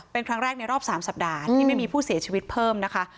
เป็นครั้งแรกในรอบ๓สัปดาห์ที่ไม่มีผู้เสียชีวิตเพิ่มนะคะ